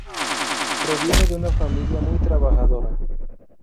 Proviene de una familia muy trabajadora.